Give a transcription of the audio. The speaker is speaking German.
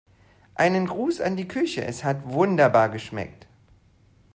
Einen Gruß an die Küche, es hat wunderbar geschmeckt.